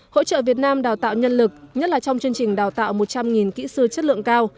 hỗ trợ việt nam đào tạo nhân lực nhất là trong chương trình đào tạo một trăm linh kỹ sư chất lượng cao